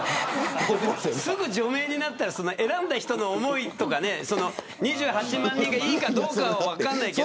すぐに除名になったら選んだ人の思いとか２８万人がいいかどうか分からないけど。